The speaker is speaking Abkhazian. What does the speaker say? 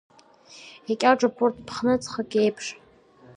Икьаҿуп урҭ ԥхны ҵхык еиԥш.